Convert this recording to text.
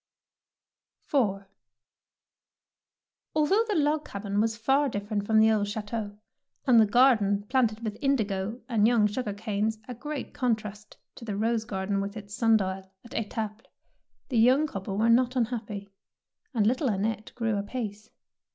IV Although the log cabin was far different from the old chateau, and the garden planted with indigo and young sugar canes a great contrast to 168 THE PEARL NECKLACE the rose garden with its sun dial at Etaples, the young couple were not unhappy, and little Annette grew apace.